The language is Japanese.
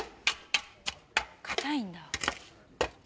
硬いんだ。